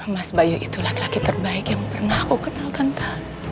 mas bayu itulah laki laki terbaik yang pernah aku kenal tante